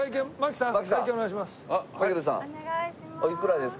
お願いします。